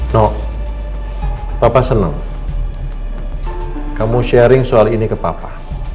nok papa senang kamu sharing soal ini ke papa